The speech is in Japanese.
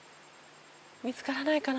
見つからないかな。